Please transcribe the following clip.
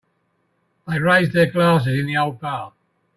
They raised their glasses in the old bar.